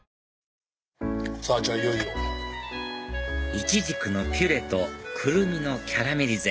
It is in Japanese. イチジクのピューレとクルミのキャラメリゼ